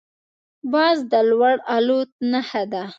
باز د لوړ الوت نښه ده